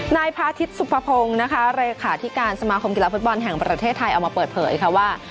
นายพาทิตสุภพงศ์นะคะเลขาธิการสมาคมกีฬาฟุตบอลแห่งประเทศไทยเอามาเปิดเผยค่ะว่า